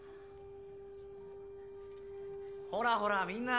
ほらほらみんな！